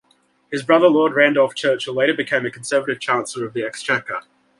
Her brother Lord Randolph Churchill later became a Conservative Chancellor of the Exchequer.